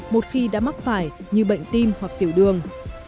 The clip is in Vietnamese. một khi đã mắc phải như bệnh tim hoặc tiểu đường